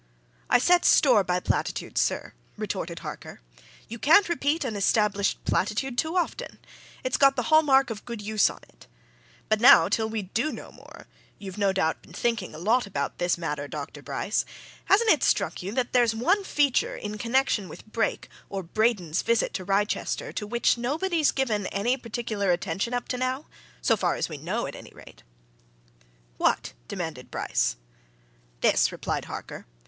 "I set store by platitudes, sir," retorted Harker. "You can't repeat an established platitude too often it's got the hallmark of good use on it. But now, till we do know more you've no doubt been thinking a lot about this matter, Dr. Bryce hasn't it struck you that there's one feature in connection with Brake, or Braden's visit to Wrychester to which nobody's given any particular attention up to now so far as we know, at any rate?" "What?" demanded Bryce. "This," replied Harker.